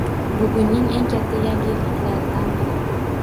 Bugunning eng katta yangiliklaridan biri